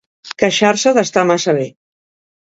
Queixar-se d'estar massa bé.